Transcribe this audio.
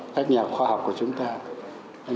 các nhà khoa học của chúng ta